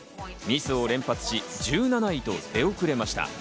ミスを連発し、１７位と出遅れました。